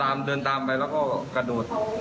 แล้วผมก็เดินตามไปแล้วก็กระโดด